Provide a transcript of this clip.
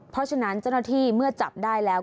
เพราะฉะนั้นเจ้าหน้าที่เมื่อจับได้แล้ว